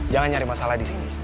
jangan nyari masalah disini